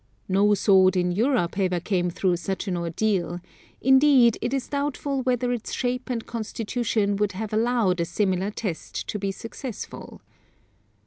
No sword in Europe ever came through such an ordeal; indeed, it is doubtful whether its shape and constitution would have allowed a similar test to be successful.